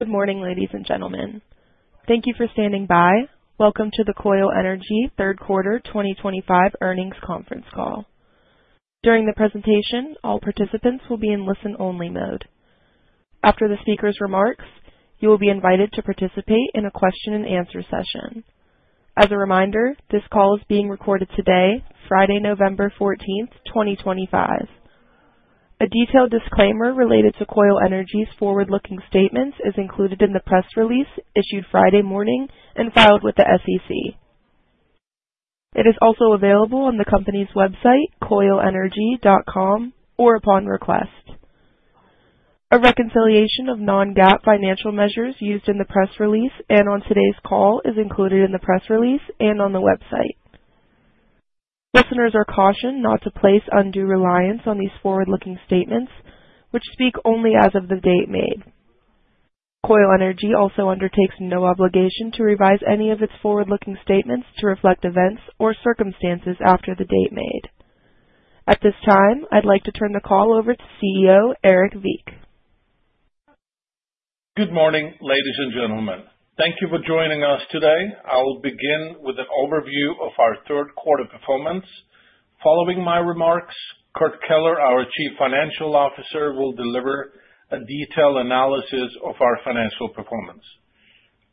Good morning, ladies and gentlemen. Thank you for standing by. Welcome to the Koil Energy third quarter 2025 earnings conference call. During the presentation, all participants will be in listen-only mode. After the speaker's remarks, you will be invited to participate in a question and answer session. As a reminder, this call is being recorded today, Friday, November 14th, 2025. A detailed disclaimer related to Koil Energy's forward-looking statements is included in the press release issued Friday morning and filed with the SEC. It is also available on the company's website, koilenergy.com, or upon request. A reconciliation of non-GAAP financial measures used in the press release and on today's call is included in the press release and on the website. Listeners are cautioned not to place undue reliance on these forward-looking statements, which speak only as of the date made. Koil Energy Solutions also undertakes no obligation to revise any of its forward-looking statements to reflect events or circumstances after the date made. At this time, I'd like to turn the call over to CEO Erik Wiik. Good morning, ladies and gentlemen. Thank you for joining us today. I will begin with an overview of our third quarter performance. Following my remarks, Kurt Keller, our Chief Financial Officer, will deliver a detailed analysis of our financial performance.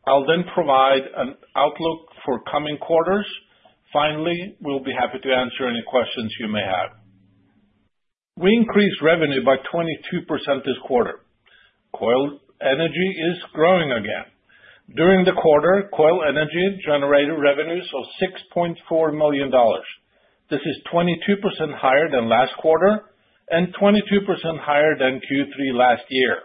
I'll then provide an outlook for coming quarters. Finally, we'll be happy to answer any questions you may have. We increased revenue by 22% this quarter. Koil Energy is growing again. During the quarter, Koil Energy generated revenues of $6.4 million. This is 22% higher than last quarter and 22% higher than Q3 last year.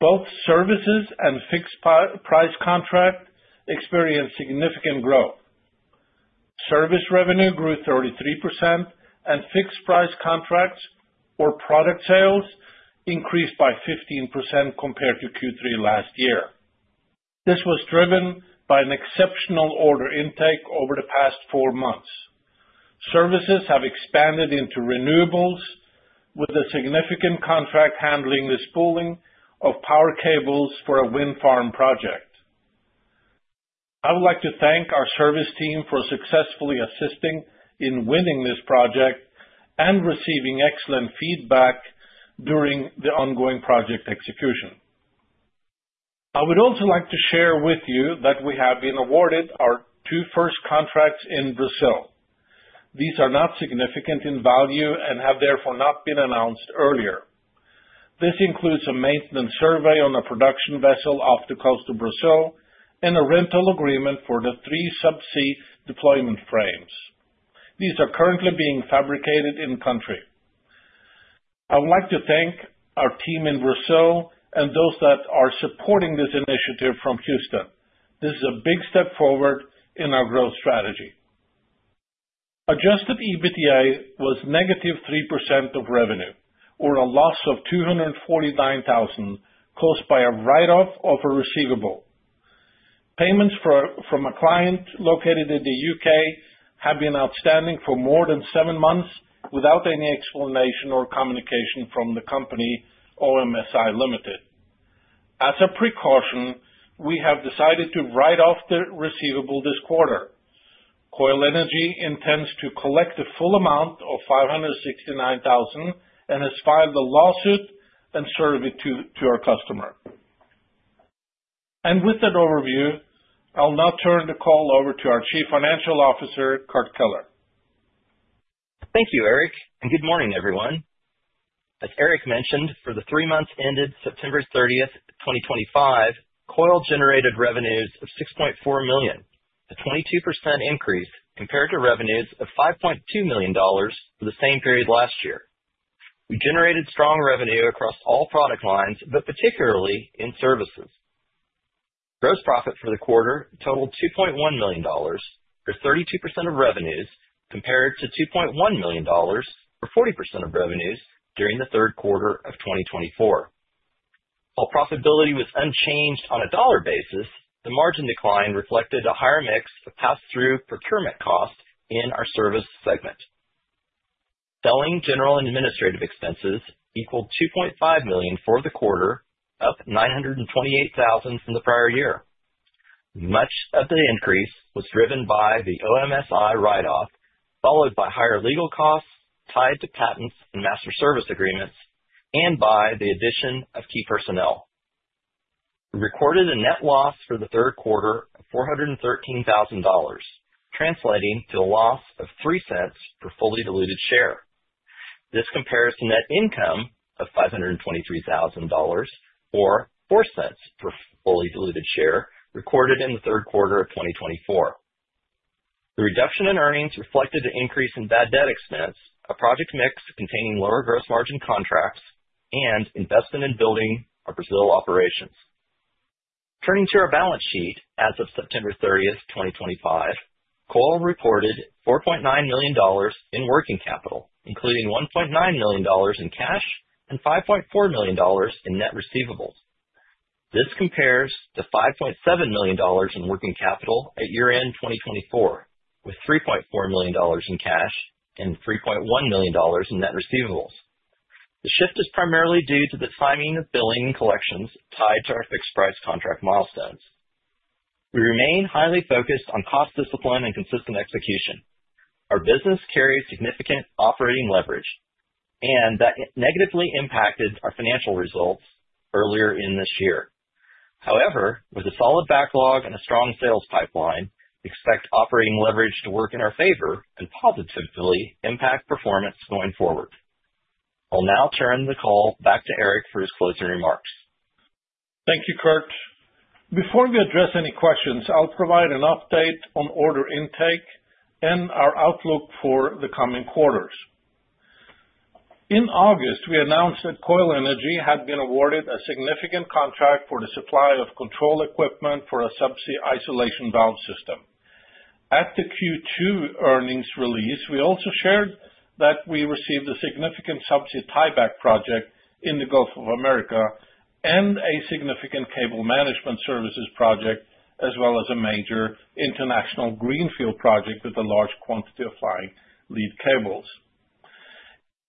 Both services and fixed price contract experienced significant growth. Service revenue grew 33%, and fixed price contracts or product sales increased by 15% compared to Q3 last year. This was driven by an exceptional order intake over the past four months. Services have expanded into renewables with a significant contract handling the spooling of power cables for a wind farm project. I would like to thank our service team for successfully assisting in winning this project and receiving excellent feedback during the ongoing project execution. I would also like to share with you that we have been awarded our first two contracts in Brazil. These are not significant in value and have therefore not been announced earlier. This includes a maintenance survey on a production vessel off the coast of Brazil and a rental agreement for the three subsea deployment frames. These are currently being fabricated in country. I would like to thank our team in Brazil and those that are supporting this initiative from Houston. This is a big step forward in our growth strategy. Adjusted EBITDA was -3% of revenue, or a loss of $249,000, caused by a write-off of a receivable. Payments from a client located in the U.K. have been outstanding for more than seven months without any explanation or communication from the company, OMSI Ltd. As a precaution, we have decided to write off the receivable this quarter. Koil Energy intends to collect the full amount of $569,000 and has filed a lawsuit and served it to our customer. With that overview, I'll now turn the call over to our Chief Financial Officer, Kurt Keller. Thank you, Erik, and good morning, everyone. As Erik mentioned, for the three months ended September 30th, 2025, Koil generated revenues of $6.4 million, a 22% increase compared to revenues of $5.2 million for the same period last year. We generated strong revenue across all product lines, but particularly in services. Gross profit for the quarter totaled $2.1 million, for 32% of revenues, compared to $2.1 million for 40% of revenues during the third quarter of 2024. While profitability was unchanged on a dollar basis, the margin decline reflected a higher mix of pass-through procurement costs in our service segment. Selling, general, and administrative expenses equaled $2.5 million for the quarter, up $928,000 from the prior year. Much of the increase was driven by the OMSI write-off, followed by higher legal costs tied to patents and master service agreements, and by the addition of key personnel. We recorded a net loss for the third quarter of $413,000, translating to a loss of $0.03 per fully diluted share. This compares to net income of $523,000 or $0.04 per fully diluted share, recorded in the third quarter of 2024. The reduction in earnings reflected an increase in bad debt expense, a project mix containing lower gross margin contracts, and investment in building our Brazil operations. Turning to our balance sheet, as of September 30th, 2025, Koil reported $4.9 million in working capital, including $1.9 million in cash and $5.4 million in net receivables. This compares to $5.7 million in working capital at year-end 2024, with $3.4 million in cash and $3.1 million in net receivables. The shift is primarily due to the timing of billing and collections tied to our fixed price contract milestones. We remain highly focused on cost discipline and consistent execution. Our business carries significant operating leverage, and that negatively impacted our financial results earlier in this year. However, with a solid backlog and a strong sales pipeline, we expect operating leverage to work in our favor and positively impact performance going forward. I'll now turn the call back to Erik for his closing remarks. Thank you, Kurt. Before we address any questions, I'll provide an update on order intake and our outlook for the coming quarters. In August, we announced that Koil Energy had been awarded a significant contract for the supply of control equipment for a subsea isolation valve system. At the Q2 earnings release, we also shared that we received a significant subsea tieback project in the Gulf of Mexico and a significant cable management services project, as well as a major international greenfield project with a large quantity of flying lead cables.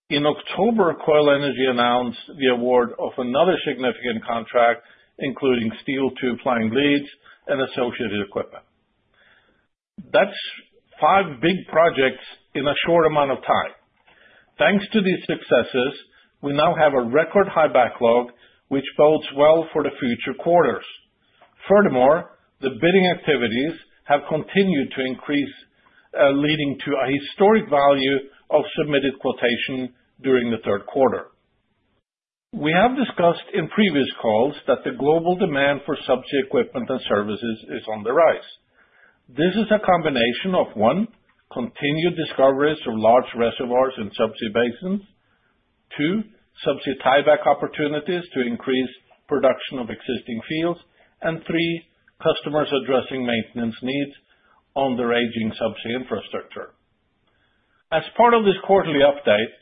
In October, Koil Energy announced the award of another significant contract, including steel tube flying leads and associated equipment. That's five big projects in a short amount of time. Thanks to these successes, we now have a record high backlog, which bodes well for the future quarters. Furthermore, the bidding activities have continued to increase, leading to a historic value of submitted quotations during the third quarter. We have discussed in previous calls that the global demand for subsea equipment and services is on the rise. This is a combination of, one, continued discoveries of large reservoirs in subsea basins, two, subsea tieback opportunities to increase production of existing fields, and three, customers addressing maintenance needs on their aging subsea infrastructure. As part of this quarterly update,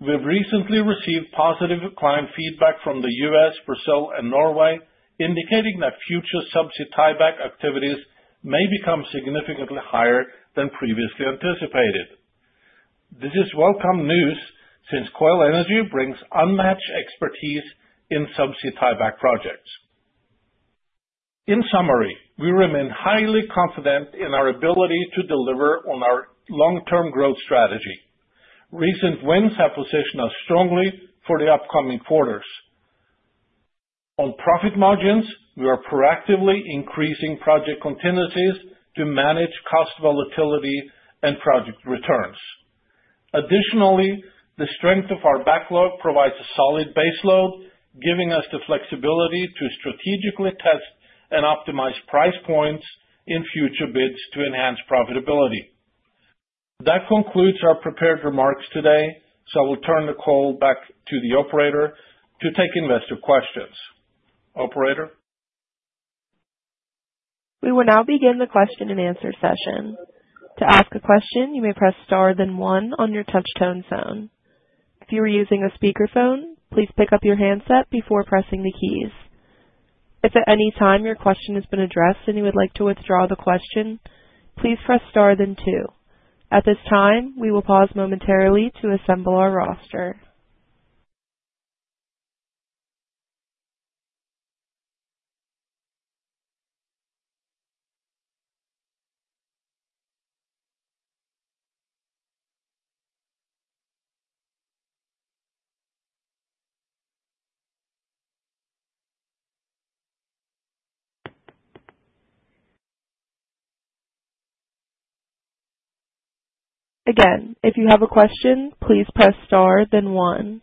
we've recently received positive client feedback from the U.S., Brazil, and Norway, indicating that future subsea tieback activities may become significantly higher than previously anticipated. This is welcome news since Koil Energy brings unmatched expertise in subsea tieback projects. In summary, we remain highly confident in our ability to deliver on our long-term growth strategy. Recent wins have positioned us strongly for the upcoming quarters. On profit margins, we are proactively increasing project contingencies to manage cost volatility and project returns. Additionally, the strength of our backlog provides a solid baseload, giving us the flexibility to strategically test and optimize price points in future bids to enhance profitability. That concludes our prepared remarks today. I will turn the call back to the operator to take investor questions. Operator? We will now begin the question and answer session. To ask a question, you may press star then one on your touch tone phone. If you are using a speakerphone, please pick up your handset before pressing the keys. If at any time your question has been addressed and you would like to withdraw the question, please press star then two. At this time, we will pause momentarily to assemble our roster. Again, if you have a question, please press star then one.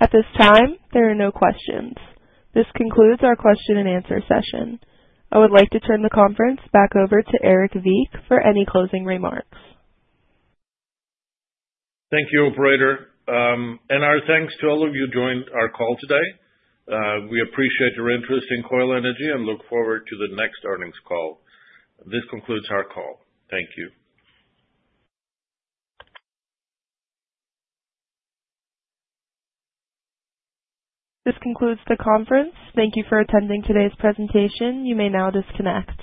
At this time, there are no questions. This concludes our question and answer session. I would like to turn the conference back over to Erik Wiik for any closing remarks. Thank you, operator. Our thanks to all of you who joined our call today. We appreciate your interest in Koil Energy and look forward to the next earnings call. This concludes our call. Thank you. This concludes the conference. Thank you for attending today's presentation. You may now disconnect.